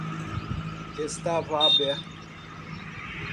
Estava aberto